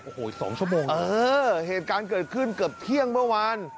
โอ้โห๒ชั่วโมงเออเหตุการณ์เกิดขึ้นเกือบเที่ยงเมื่อวาน